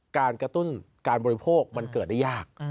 การกระตุ้นการบริโภคมันเกิดได้ยาก